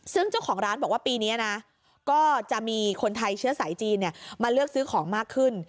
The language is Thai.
ซึ่งเจ้าของร้านบอกว่าปีนี้นะก็จะมีคนไทยเชื้อสายจีนมาเลือกซื้อของมากขึ้น